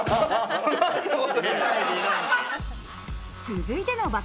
続いての爆